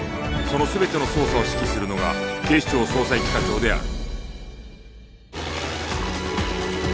その全ての捜査を指揮するのが警視庁捜査一課長である